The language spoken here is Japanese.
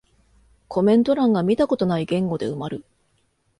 コメント欄が見たことない言語で埋まる